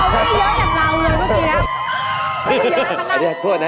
เขาไม่เยอะกับเราเลยทุกคน